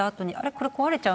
これ壊れちゃうのかな？